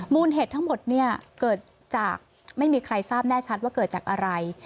เหตุทั้งหมดเนี่ยเกิดจากไม่มีใครทราบแน่ชัดว่าเกิดจากอะไร